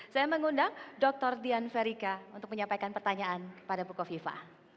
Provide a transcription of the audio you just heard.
saya mengundang dokter dian ferika untuk menyampaikan pertanyaan pada bukofifa